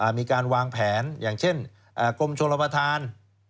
มีการวางแผนอย่างเช่นกรมชนประธาน